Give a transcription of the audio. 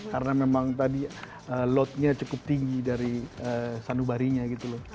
karena memang tadi lotnya cukup tinggi dari sanubarinya gitu loh